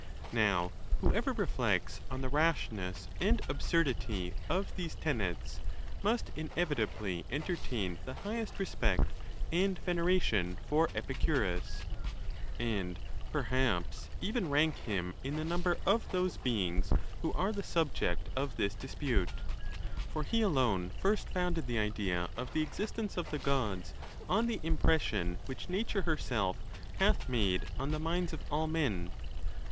Now, whoever reflects on the rashness and absurdity of these tenets must inevitably entertain the highest respect and veneration for Epicurus, and perhaps even rank him in the number of those beings who are the subject of this dispute ; for he alone first founded the idea of the exist ence of the Gods on the impression which nature herself hatli made on tlie minds of all men.